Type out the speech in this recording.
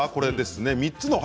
３つの早